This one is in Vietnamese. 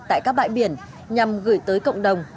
tại các bãi biển nhằm gửi tới cộng đồng